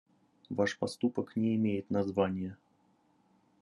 Ваш поступок не имеет названия.